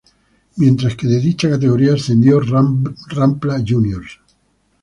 Mientras que de dicha categoría ascendió Rampla Juniors.